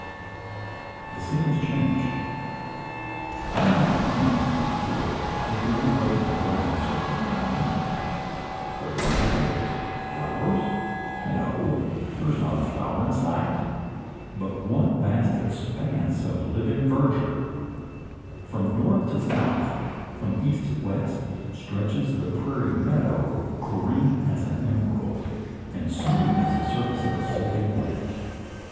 The scene is changed. I am in a plain as before, with the unbroken horizon circling around me. What do I behold? Flowers? No; there is not a flower in sight, but one vast expanse of living verdure. From north to south, from east to west, stretches the prairie meadow, green as an emerald, and smooth as the surface of a sleeping lake.